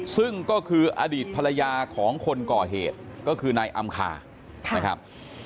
ซึ่งก็คืออดีตภรรยาของคนก่อเหตุก็คือนายอำคานะครับ